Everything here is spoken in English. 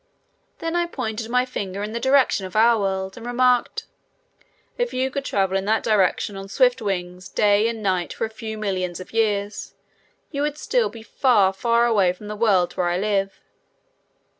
Then I pointed my finger in the direction of our world and remarked: "If you could travel in that direction on swift wings day and night for a few millions of years, you would still be far, far away from the world where I live."